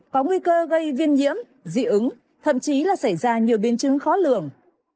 có nguy cơ gây viên nhiễm dị ứng thậm chí là xảy ra nhiều biến chứng khó lường